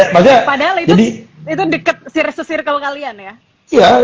padahal itu deket circle circle kalian ya